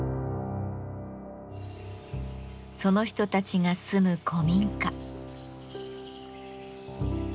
その人たちが住む古民家。